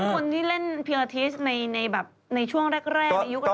เขาเป็นคนที่เล่นเพียงอาทิตย์ในช่วงแรกในยุคกำลังกาย